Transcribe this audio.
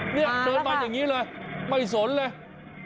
เนี่ยเดินมาอย่างนี้เลยไม่สนเลยมาล่ะค่ะ